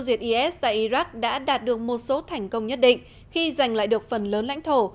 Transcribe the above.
diệt is tại iraq đã đạt được một số thành công nhất định khi giành lại được phần lớn lãnh thổ